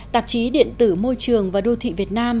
tạp chí điện tử môi trường và đô thị việt nam